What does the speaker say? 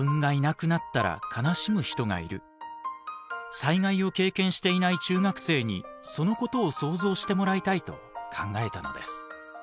災害を経験していない中学生にそのことを想像してもらいたいと考えたのです。